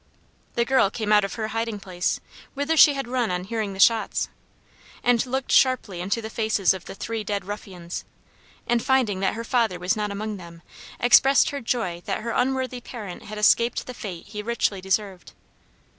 The girl came out of her hiding place, whither she had run on hearing the shots, and looked sharply into the faces of the three dead ruffians, and finding that her father was not among them, expressed her joy that her unworthy parent had escaped the fate he richly deserved.